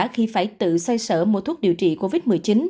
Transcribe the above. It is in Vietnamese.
khi phải tự xây sở mua thuốc điều trị covid một mươi chín